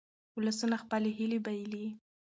ولسونه خپلې هیلې بایلي.